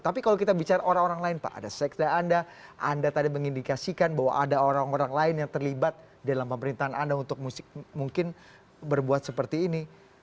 tapi kalau kita bicara orang orang lain pak ada seksda anda anda tadi mengindikasikan bahwa ada orang orang lain yang terlibat dalam pemerintahan anda untuk mungkin berbuat seperti ini